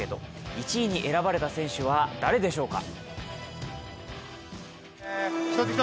１位に選ばれた選手は、誰でしょうか。